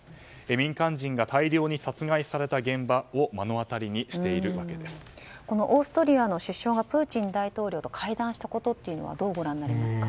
民間人が大量に殺害された現場をオーストリアの首相がプーチン大統領と会談したことっていうのはどうご覧になりますか。